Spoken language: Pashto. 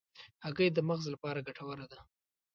هګۍ د مغز لپاره ګټوره ده.